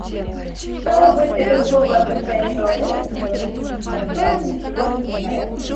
Стало быть, это слово означает человека, который... который ничего не признает?